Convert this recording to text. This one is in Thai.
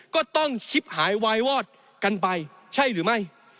ก็ต้องชิบหายวายวอดกันไปใช่หรือไม่